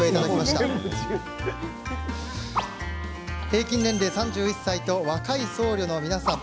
平均年齢３１歳と若い僧侶の皆さん。